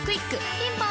ピンポーン